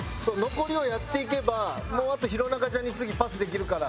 残りをやっていけばもうあと弘中ちゃんに次パスできるから。